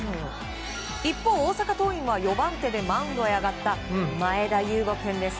一方、大阪桐蔭は４番手でマウンドへ上がった前田悠伍君です。